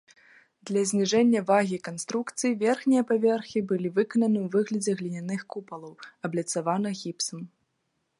Для зніжэння вагі канструкцый, верхнія паверхі былі выкананы ў выглядзе гліняных купалаў, абліцаваных гіпсам.